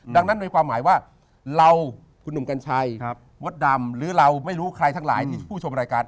ดังนั้นในความหมายว่าเราคุณหนุ่มกัญชัยมดดำหรือเราไม่รู้ใครทั้งหลายที่ผู้ชมรายการ